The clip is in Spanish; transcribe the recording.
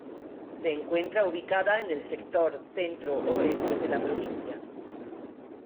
Se encuentra ubicada en el sector centro-oeste de la provincia.